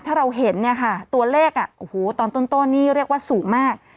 ถ้าเราเห็นตัวเลขตอนต้นนี่เรียกว่าสูงมาก